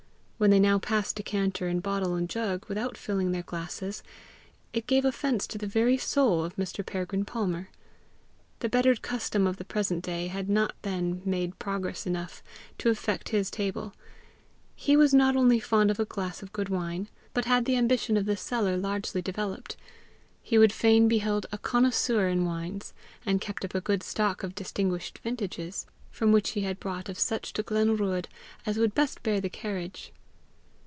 When they now passed decanter and bottle and jug without filling their glasses, it gave offence to the very soul of Mr. Peregrine Palmer. The bettered custom of the present day had not then made progress enough to affect his table; he was not only fond of a glass of good wine, but had the ambition of the cellar largely developed; he would fain be held a connaisseur in wines, and kept up a good stock of distinguished vintages, from which he had brought of such to Glenruadh as would best bear the carriage.